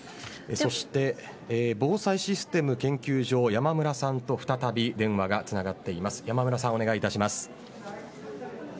そして防災システム研究所山村さんと再び電話がつながっています。